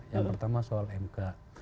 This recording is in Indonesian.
yang pertama soal mk